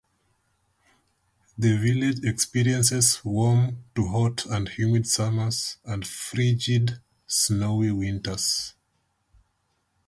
The village experiences warm to hot and humid summers and frigid, snowy winters.